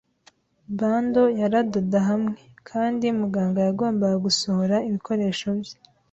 Bundle yaradoda hamwe, kandi muganga yagombaga gusohora ibikoresho bye